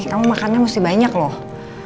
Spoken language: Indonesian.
nih kamu makannya mesti banyak lho